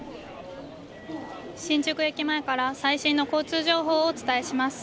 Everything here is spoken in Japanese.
新宿駅前から最新の交通情報をお伝えします。